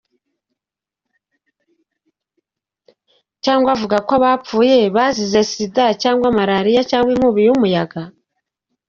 Cg avuga ko abapfuye bazize sida na malaliya cg inkubi y’umuyaga?